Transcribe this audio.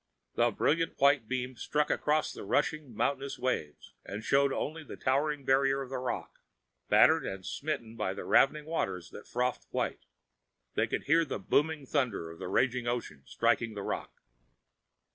The brilliant white beam struck across the rushing, mountainous waves and showed only the towering barriers of rock, battered and smitten by the raving waters that frothed white. They could hear the booming thunder of the raging ocean striking the rock.